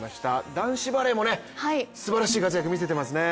男子バレーもすばらしい活躍を見せていますね。